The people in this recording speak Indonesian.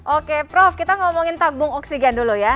oke prof kita ngomongin tabung oksigen dulu ya